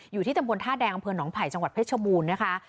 อยู่ที่ตำบลท่าแดงอำเภอหนองไผ่จังหวัดเพชรบูรณ์นะคะ